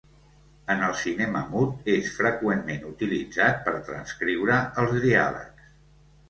En el cinema mut, és freqüentment utilitzat per transcriure els diàlegs.